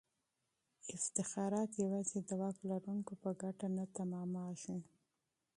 افتخارات یوازې د واک لرونکو په ګټه نه تمامیږي.